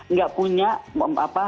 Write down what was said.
nggak punya roadmap pertahanan